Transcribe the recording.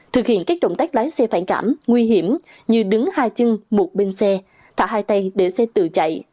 thực hiện các động tác lái xe phản cảm nguy hiểm như đứng hai chân một bên xe thả hai tay để xe tự chạy